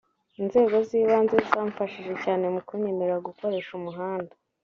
Inzego z’ibanze zamfashije cyane mu kunyemerera gukoresha umuhanda